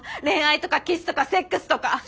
恋愛とかキスとかセックスとか！